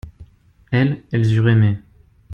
Elles, elles eurent aimé.